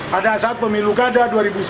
pada saat pemilu kada dua ribu sepuluh